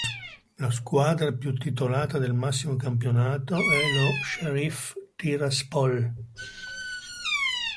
La squadra più titolata del massimo campionato è lo Sheriff Tiraspol.